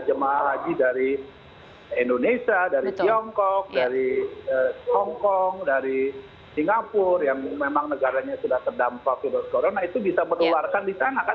jemaah haji dari indonesia dari tiongkok dari hongkong dari singapura yang memang negaranya sudah terdampak virus corona itu bisa menularkan di sana kan